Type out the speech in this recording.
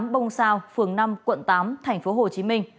bông sao phường năm quận tám tp hcm